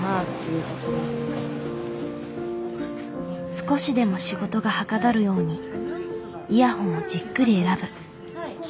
少しでも仕事がはかどるようにイヤホンをじっくり選ぶ。